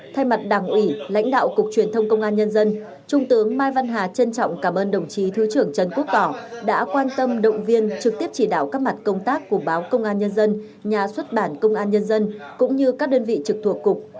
thay mặt đảng ủy lãnh đạo cục truyền thông công an nhân dân trung tướng mai văn hà trân trọng cảm ơn đồng chí thứ trưởng trần quốc tỏ đã quan tâm động viên trực tiếp chỉ đạo các mặt công tác của báo công an nhân dân nhà xuất bản công an nhân dân cũng như các đơn vị trực thuộc cục